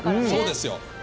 そうですよ。